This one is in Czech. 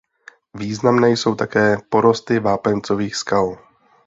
Významné jsou také porosty vápencových skal.